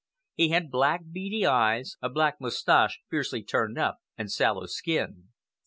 He had black, beady eyes, a black moustache fiercely turned up, and sallow skin.